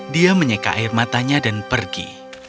dia menyeka air matanya dan pergi